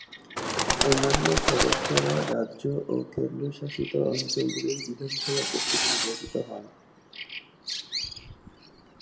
অন্যান্য সদস্যরা রাজ্য ও কেন্দ্রশাসিত অঞ্চলগুলির বিধানসভা কর্তৃক নির্বাচিত হন।